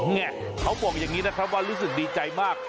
เนี่ยเขาบอกอย่างนี้นะครับว่ารู้สึกดีใจมาก